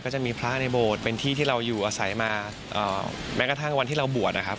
จะมีพระในโบสถ์เป็นที่ที่เราอยู่อาศัยมาแม้กระทั่งวันที่เราบวชนะครับ